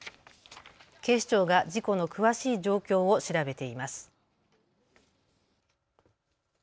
警視庁が事故の詳しい状況を調べています。